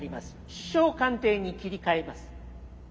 首相官邸に切り替えます」。